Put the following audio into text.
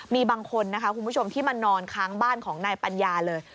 มีบางคนนะคะคุณผู้ชมที่มานอนค้างบ้านของนายปัญญาเลย